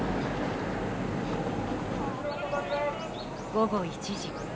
午後１時。